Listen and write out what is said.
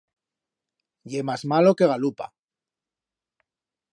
Ye mas malo que galupa.